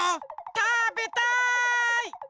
たべたい！